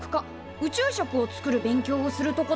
宇宙食を作る勉強をするとこだ。